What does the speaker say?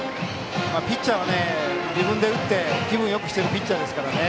ピッチャーは自分で打って気分よくしているピッチャーです。